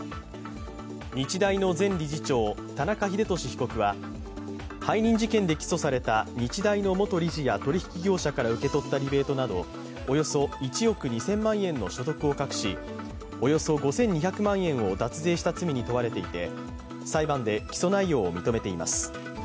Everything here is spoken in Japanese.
日大の前理事長、田中英寿被告は背任事件で起訴された日大の元理事や取引業者から受け取ったリベートなどおよそ１億２０００万円の所得を隠しおよそ５２００万円を脱税した罪に問われていて、裁判で起訴内容を認めています。